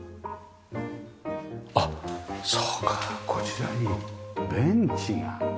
あっそうかこちらにベンチが。